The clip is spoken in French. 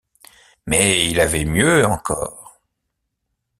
Mais il avait mieux encore.